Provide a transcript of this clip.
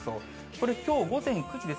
これ、きょう午前９時です。